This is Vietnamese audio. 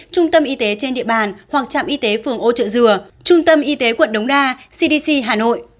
trung tâm y tế trên địa bàn hoặc trạm y tế phường ô trợ dừa trung tâm y tế quận đống đa cdc hà nội